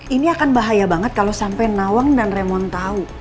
ini akan bahaya banget kalo sampe nawang dan raymond tau